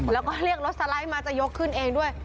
แล้วก็เรียกรถสไลด์มาจะยกขึ้นเองด้วย